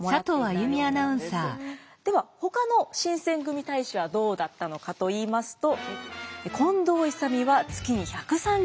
ではほかの新選組隊士はどうだったのかといいますと。